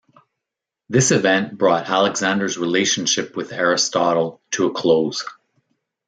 This event brought Alexander's relationship with Aristotle to a close.